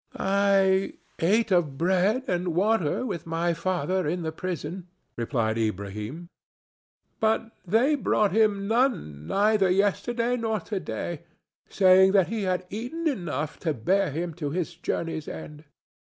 "I ate of bread and water with my father in the prison," replied Ilbrahim, "but they brought him none neither yesterday nor to day, saying that he had eaten enough to bear him to his journey's end.